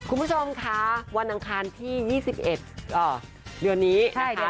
คุณผู้ชมคะวันอังคารที่๒๑เดือนนี้นะคะ